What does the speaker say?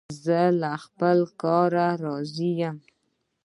زه له خپل کار راضي یم.